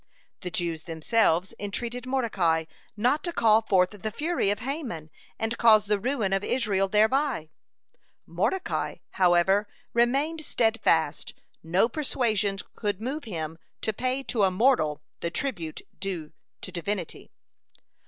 The Jews themselves entreated Mordecai not to call forth the fury of Haman, and cause the ruin of Israel thereby. Mordecai, however, remained steadfast; no persuasions could move him to pay to a mortal the tribute due to Divinity.